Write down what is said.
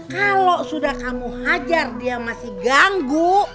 kalau sudah kamu hajar dia masih ganggu